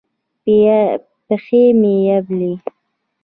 پښې مې یبلي